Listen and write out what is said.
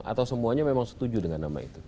atau semuanya memang setuju dengan nama itu